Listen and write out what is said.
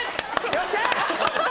よっしゃ！